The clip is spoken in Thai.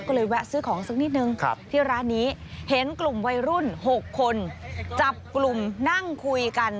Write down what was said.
ก็เลยแวะซื้อของสักนิดนึงที่ร้านนี้เห็นกลุ่มวัยรุ่น๖คนจับกลุ่มนั่งคุยกัน